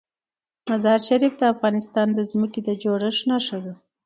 مزارشریف د افغانستان د ځمکې د جوړښت نښه ده.